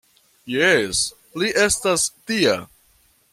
Jes, li estas tia.